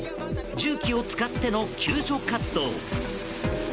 重機を使っての救助活動。